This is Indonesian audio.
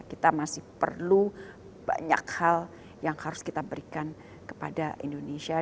kita masih perlu banyak hal yang harus kita berikan kepada indonesia